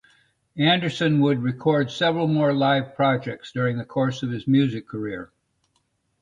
Anderson would record several more live projects during the course of his music career.